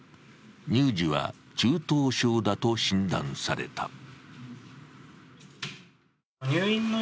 乳児は中等症だと診断された。